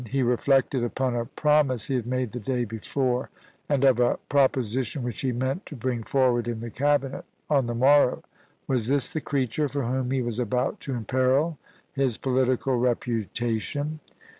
He reflected upon a promise he had made the day before, and of a proposition which he meant to bring forward in the Cabinet on the morrow. Was this the creature for whom he was about to imperil his political reputation